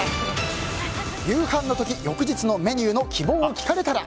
夕飯の時、翌日のメニューの希望を聞かれたら？